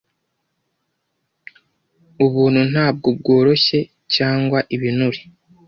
ubuntu ntabwo bworoshye cyangwa ibinure